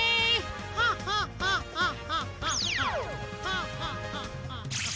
ハッハッハッハッ。